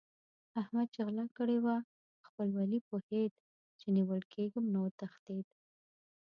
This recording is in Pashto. احمد چې غلا کړې وه؛ په خپل ولي پوهېد چې نيول کېږم نو وتښتېد.